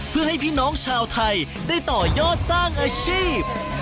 เพื่อให้พี่น้องชาวไทยได้ต่อยอดสร้างอาชีพ